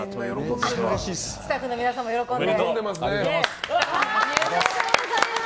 スタッフのみなさんも喜んで。